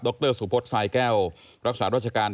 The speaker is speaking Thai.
รสุพศสายแก้วรักษาราชการ